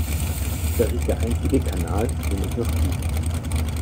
Das ist der einzige Kanal, den es noch gibt.